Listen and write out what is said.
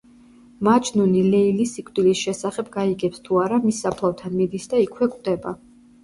მაჯნუნი ლეილის სიკვდილის შესახებ გაიგებს თუ არა, მის საფლავთან მიდის და იქვე კვდება.